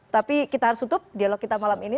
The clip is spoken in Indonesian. tapi kita harus tutup dialog kita malam ini